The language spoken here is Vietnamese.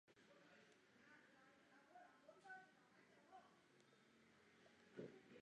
Chuyển vẫn hoài đến mười giờ chưa ra khỏi nhà